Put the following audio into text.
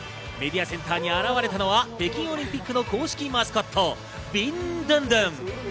メディアセンターに現れたのは北京オリンピックの公式マスコット、ビンドゥンドゥン。